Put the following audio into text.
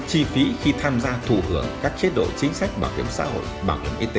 chi phí khi tham gia thù hưởng các chế độ chính sách bảo hiểm xã hội bảo hiểm y tế